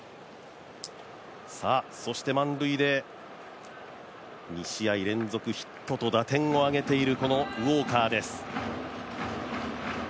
そして満塁で２試合連続ヒットと打点を上げているウォーカーです。